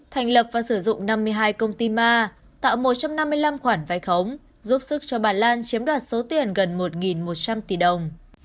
thành lập và sử dụng năm mươi hai công ty ma tạo một trăm năm mươi năm khoản vai khống giúp sức cho bà lan chiếm đoạt số tiền gần một một trăm linh tỷ đồng